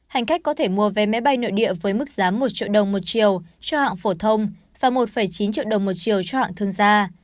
hành khách có thể mua vé máy bay nội địa với mức giá một triệu đồng một triệu cho hãng phổ thông và một chín triệu đồng một chiều cho hạng thương gia